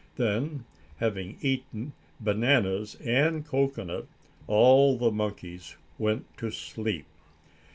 Then, having eaten bananas and cocoanut, all the monkeys went to sleep.